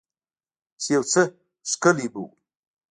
چې يو څه ښکلي به وو.